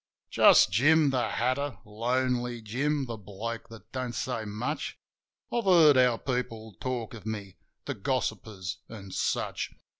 Just Jim the Hatter, Lonely Jim, the bloke that don't say much. I've heard how people talk of me: the gossippers an' such.